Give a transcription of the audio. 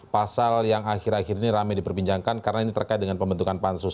pasal yang akhir akhir ini rame diperbincangkan karena ini terkait dengan pembentukan pansus